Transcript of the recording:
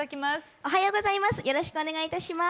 おはようございます。